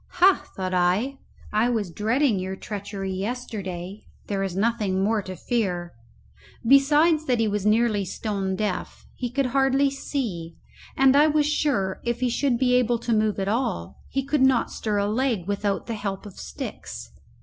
Ha, thought I, I was dreading your treachery yesterday; there is nothing more to fear. Besides that he was nearly stone deaf, he could hardly see; and I was sure, if he should be able to move at all, he could not stir a leg without the help of sticks.